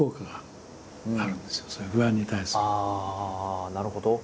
ああなるほど。